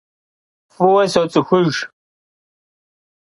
F'ıue sots'ıxujj.